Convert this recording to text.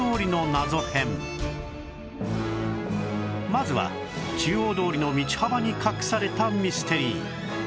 まずは中央通りの道幅に隠されたミステリー